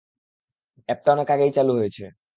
অ্যাপটা অনেক আগেই চালু হয়েছে!